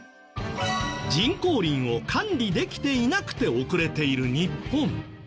人工林を管理できていなくて遅れている日本。